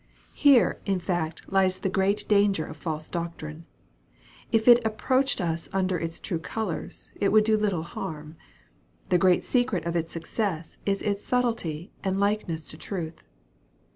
Here, in fact, lies the great danger of false doctrine. If it approached us under its true colors, it would do little harm. The great secret of its success is its subtlety and likeness to truth.